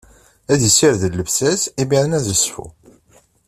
Ad issired llebsa-s, imiren ad iṣfu.